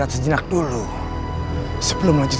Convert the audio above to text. t universal ematy yang selalu modal